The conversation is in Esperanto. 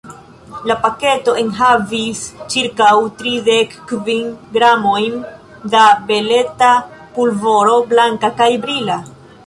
La paketo enhavis ĉirkaŭ tridek kvin gramojn da beleta pulvoro, blanka kaj brila.